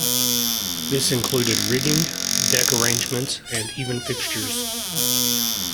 This included rigging, deck arrangements, and even fixtures.